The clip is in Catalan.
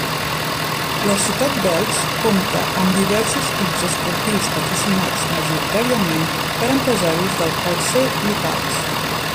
La ciutat d'Elx compta amb diversos clubs esportius patrocinats majoritàriament per empresaris del calcer locals.